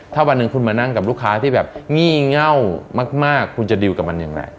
ถ้าวันหนึ่งคุณมานั่งกับลูกค้าที่แบบงี่เง่ามากคุณจะดิวกับมันยังไง